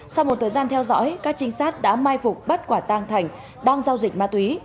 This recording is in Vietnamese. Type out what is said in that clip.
sau một thời gian theo dõi các trinh sát đã mai phục bắt quả tang thành đang giao dịch ma túy